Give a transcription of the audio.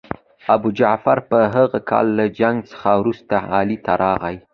ابوجعفر په هغه کال له جنګ څخه وروسته علي ته راغی.